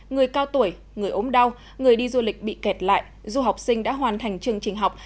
người cao tuổi người ốm đau người đi du lịch bị kẹt lại du học sinh đã hoàn thành chương trình học